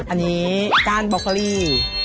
อันนี้ก้านบอเกอรี่